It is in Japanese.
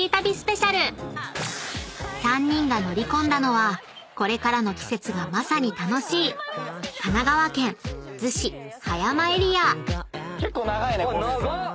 ［３人が乗り込んだのはこれからの季節がまさに楽しい神奈川県逗子・葉山エリア］